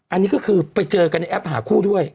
อันนี้ก็คือไปเจอกันในแอปหาคู่ด้วย